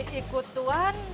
kalau surti ikut tuhan